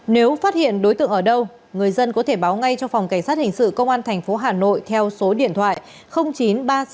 nếu phát hiện đối tượng ở đâu người dân có thể báo ngay cho phòng cảnh sát hình sự công an tp hà nội theo số điện thoại chín trăm ba mươi sáu tám trăm sáu mươi